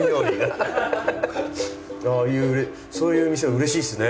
そういう店はうれしいですね